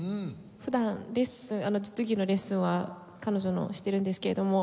普段レッスン実技のレッスンは彼女のをしているんですけれども。